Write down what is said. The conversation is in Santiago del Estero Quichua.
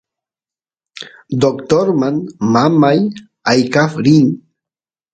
doctorman mamay aykaf rin